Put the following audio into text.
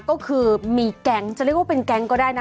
ก็คือมีแก๊งจะเรียกว่าเป็นแก๊งก็ได้นะ